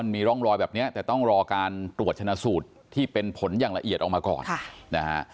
มีร่องรอยแบบนี้แต่ต้องรอการตรวจชนะสูตรที่เป็นผลอย่างละเอียดออกมาก่อนนะฮะ